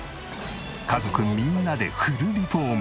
家族みんなでフルリフォーム。